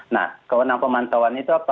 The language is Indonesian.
nah kewenangan pemantauan itu apa